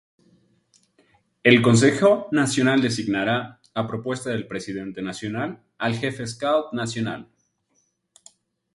El Consejo Nacional designara, a propuesta del Presidente Nacional, al Jefe Scout Nacional.